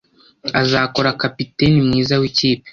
Azakora kapiteni mwiza wikipe.